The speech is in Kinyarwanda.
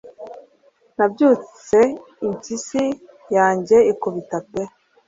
Nabyutse impyisi yanjye ikubita pe